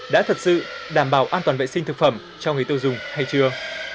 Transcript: đã thật sự đảm bảo an toàn vệ sinh thực phẩm cho người tiêu dùng hay chưa